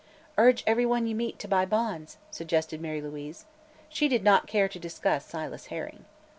"Urge everyone you meet to buy bonds," suggested Mary Louise. She did not care to discuss Silas Herring.